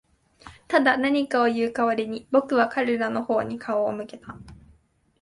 ただ、何かを言う代わりに、僕は彼らの方に顔を向けた。